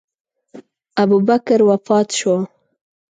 ابوبکر وفات شو.